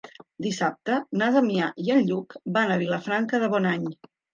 Dissabte na Damià i en Lluc van a Vilafranca de Bonany.